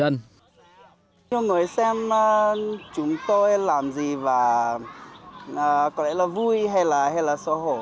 nhiều người xem chúng tôi làm gì và có lẽ là vui hay là xấu hổ